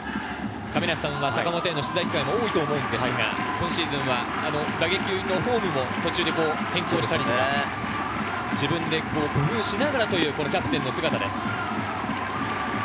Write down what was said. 坂本への取材機会も多い亀梨さん、今シーズンは打撃フォームも途中で変更したり、自分で工夫しながらというキャプテンの姿です。